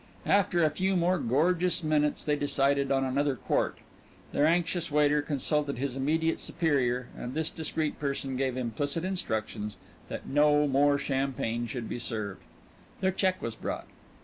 After a few more gorgeous minutes they decided on another quart. Their anxious waiter consulted his immediate superior, and this discreet person gave implicit instructions that no more champagne should be served. Their check was brought.